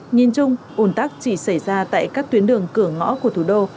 nhìn chung ủn tắc chỉ xảy ra tại các tuyến đường cửa ngõ của thủ đô